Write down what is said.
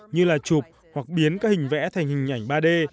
như là chụp hoặc biến các hình vẽ thành hình ảnh ba d